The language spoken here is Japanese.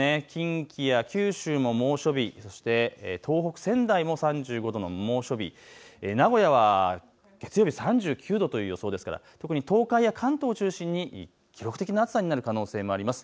近畿や九州も猛暑日、そして東北、仙台も３５度の猛暑日、名古屋は月曜日３９度という予想ですから特に東海や関東を中心に記録的な暑さになる可能性もあります。